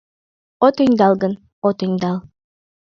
От ӧндал гын, от ӧндал